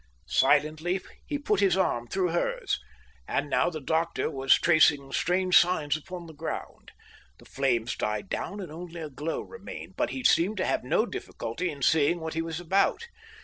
Silently he put his arm through hers. And now the doctor was tracing strange signs upon the ground. The flames died down and only a glow remained, but he seemed to have no difficulty in seeing what he was about.